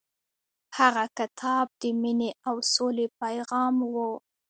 هغه کتاب د مینې او سولې پیغام و.